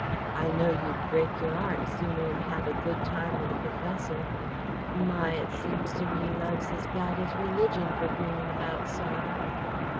I know you'd break your 'eart sooner 'n have a good time with the professor. My! It seems to me Love's as bad as Religion for bringin' about sorrer!"